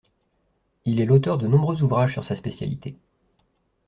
Il est l'auteur de nombreux ouvrages sur sa spécialité.